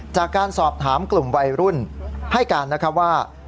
จากการสอบถามกลุ่มวัยรุ่นให้การนะครับว่า